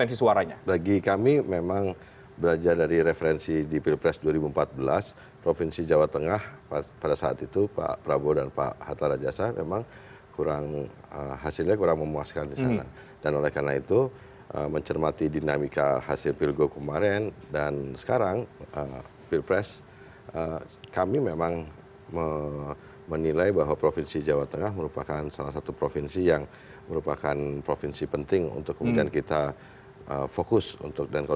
sebelumnya prabowo subianto